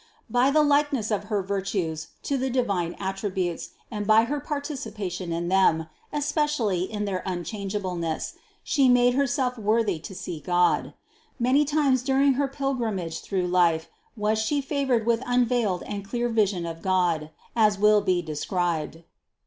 By the likeness of her virtues to the divine attributes and by her participation in them, especially in their unchangeableness, She made Herself worthy to see God. Many times during her pil grimage through life was She favored with unveiled and clear vision of God, as will be described.